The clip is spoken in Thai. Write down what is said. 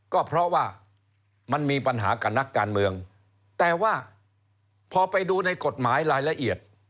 ก็เพราะว่ามันมีปัญหากับนักการเมืองแต่ว่าพอไปดูในกฎหมายรายละเอียด